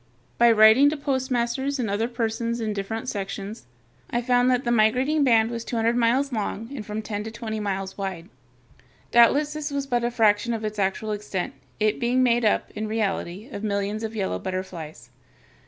By writing to postmasters and other persons in different sections, I found that the migrating band was two hundred miles long and from ten to twenty miles wide. Doubtless this was but a fraction of its actual extent, it being made up, in reality, of millions of yellow butterflies.